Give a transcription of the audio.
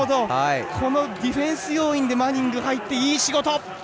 ディフェンス要員でマニング入って、いい仕事！